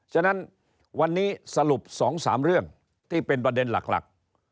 ฉะนั้นวันนี้สรุป๒๓เรื่องที่เป็นประเด็นหลัก